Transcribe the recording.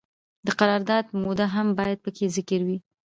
د قرارداد موده هم باید پکې ذکر وي.